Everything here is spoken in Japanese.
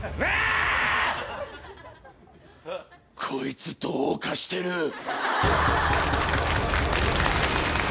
こいつどうかしてる！